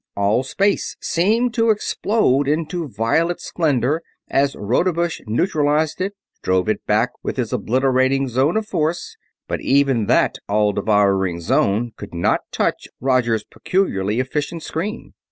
All space seemed to explode into violet splendor as Rodebush neutralized it, drove it back with his obliterating zone of force; but even that all devouring zone could not touch Roger's peculiarly efficient screen.